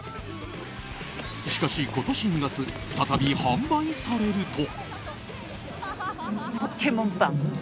しかし、今年２月再び販売されると。